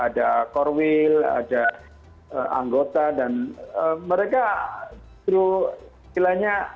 ada core wheel ada anggota dan mereka justru kilanya